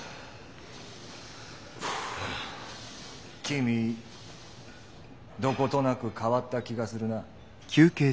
君どことなく変わった気がするな。